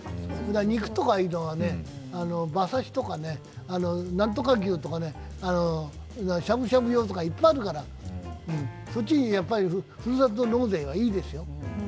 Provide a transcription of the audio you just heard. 肉とかああいうの、馬刺し、何とか牛とか、しゃぶしゃぶ用とか、いっぱいあるから、そっち、ふるさと納税はいいですよ